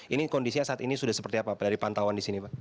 ini kondisinya saat ini sudah seperti apa dari pantauan di sini pak